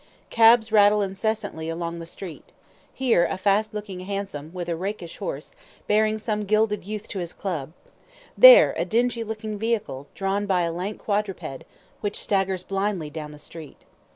Cabs rattle incessantly along the street; here, a fast looking hansom, with a rakish horse, bearing some gilded youth to his Club there, a dingy looking vehicle, drawn by a lank quadruped, which staggers blindly down the street.